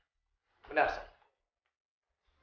lebih ambil berusaha sekali